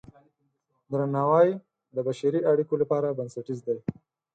درناوی د بشري اړیکو لپاره بنسټیز دی.